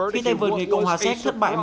khi tay vừa người cộng hòa xét thất bại một ba